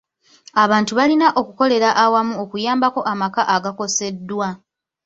Abantu balina okukolera awamu okuyambako amaka agakoseddwa.